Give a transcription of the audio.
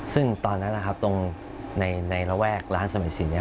ซึ่งตอนนั้นนะครับตรงในระแวกร้านสมัยสิน